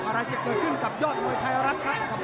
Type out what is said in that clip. อะไรจะเกิดขึ้นกับยอดมวยไทยรัฐครับ